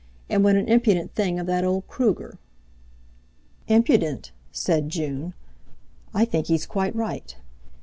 And what an impudent thing of that old Kruger!" "Impudent!" said June. "I think he's quite right.